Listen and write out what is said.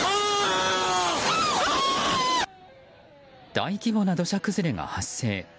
大規模な土砂崩れが発生。